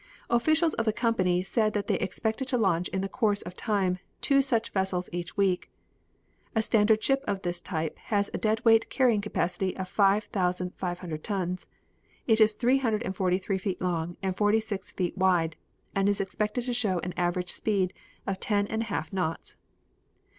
Officials of the company said that they expected to launch in the course of time two such vessels in each week. A standard ship of this type has a dead weight carrying capacity of five thousand five hundred tons. It is three hundred and forty three feet long and forty six feet wide and is expected to show an average speed of ten and a half knots.